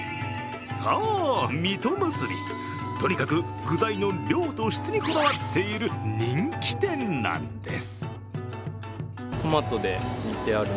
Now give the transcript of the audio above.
そう、水戸むすび、とにかく具材の量と質にこだわっている人気店なんです。